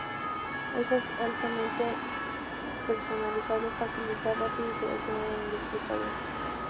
Es altamente personalizable, fácil de usar, rápido y se ve genial en el escritorio.